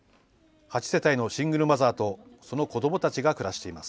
８世帯のシングルマザーとその子どもたちが暮らしています。